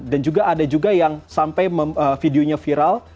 dan juga ada juga yang sampai videonya viral